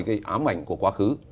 cái ám ảnh của quá khứ